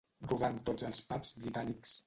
Rondant tots els pubs britànics.